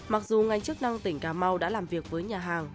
mặc dù ngành chức năng tỉnh cà mau đã làm việc với nhà hàng